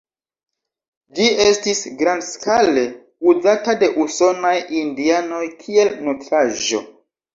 Ĝi estis grandskale uzata de usonaj indianoj kiel nutraĵo.